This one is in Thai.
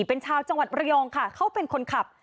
เป็นชาวจังหวัดระยองค่ะเขาเป็นคนขับ